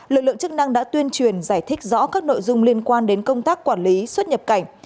lực lượng chức năng đã tuyên truyền giải thích rõ các nội dung liên quan đến công tác quản lý xuất nhập cảnh